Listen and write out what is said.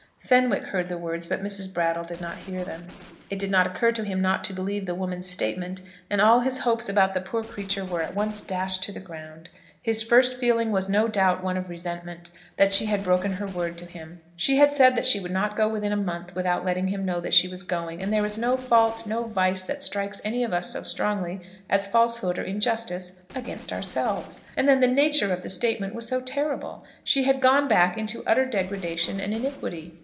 Fenwick heard the words, but Mrs. Brattle did not hear them. It did not occur to him not to believe the woman's statement, and all his hopes about the poor creature were at once dashed to the ground. His first feeling was no doubt one of resentment, that she had broken her word to him. She had said that she would not go within a month without letting him know that she was going; and there is no fault, no vice, that strikes any of us so strongly as falsehood or injustice against ourselves. And then the nature of the statement was so terrible! She had gone back into utter degradation and iniquity.